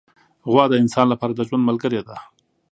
غوا د انسان له پاره د ژوند ملګرې ده.